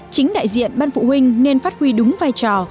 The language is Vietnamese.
chính đại diện ban phụ huynh nên phát huy đúng vai trò